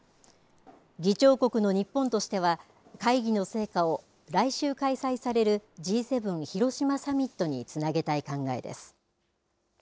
議長国の日本としては会議の成果を来週開催されるＧ７、広島サミットにつなげたい考えです。